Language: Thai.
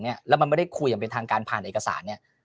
ก็ได้คุยอย่างเป็นทางการผ่านเอกสาร